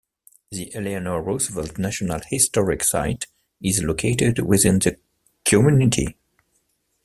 The Eleanor Roosevelt National Historic Site is located within the community.